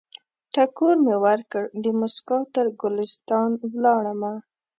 ټکور مې ورکړ، دموسکا تر ګلستان ولاړمه